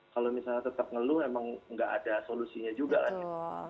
kalau misalnya tetap ngeluh emang nggak ada solusinya juga kan gitu